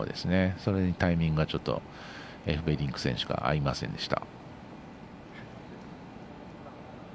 それにタイミングがちょっとエフベリンク選手が合いませんでした。